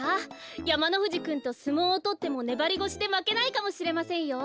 やまのふじくんとすもうをとってもねばりごしでまけないかもしれませんよ。